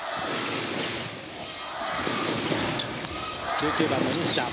１９番の西田。